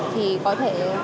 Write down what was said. thì có thể